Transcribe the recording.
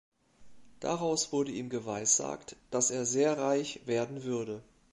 Daraus wurde ihm geweissagt, dass er sehr reich werden würde.